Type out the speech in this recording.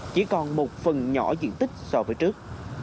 chỉ còn một phần nhỏ diện tích so với trước